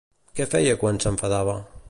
Què feia quan s'enfadava?